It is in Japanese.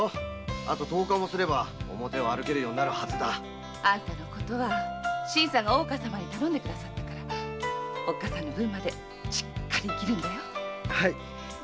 あと十日もすれば歩けるようになるはずだ。あんたの事は新さんが頼んで下さったからお母上の分までしっかり生きるんだよ。